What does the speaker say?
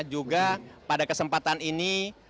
juga pada kesempatan ini